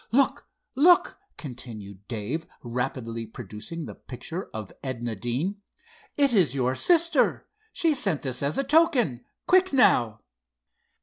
"Look, look," continued Dave, rapidly, producing the picture of Edna Deane. "It is your sister! She sent this as a token! Quick, now!"